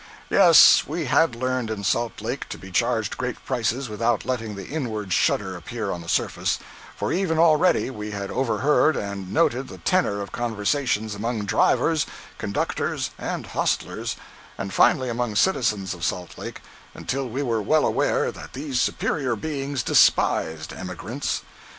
Yes, we had learned in Salt Lake to be charged great prices without letting the inward shudder appear on the surface—for even already we had overheard and noted the tenor of conversations among drivers, conductors, and hostlers, and finally among citizens of Salt Lake, until we were well aware that these superior beings despised "emigrants."